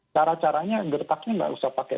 cara caranya gertaknya nggak usah pakai